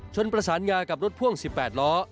ชนประสานงากับรถพ่วง๑๘ล้อ